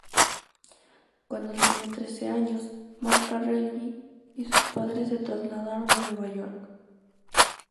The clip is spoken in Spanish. Cuando tenía trece años, Marca-Relli y sus padres se trasladaron a Nueva York.